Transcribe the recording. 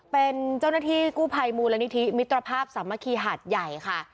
เป็นเจ้าหน้าที่กู้ภัยมูลนิธิมิตรภาพสามัคคีหาดใหญ่ค่ะ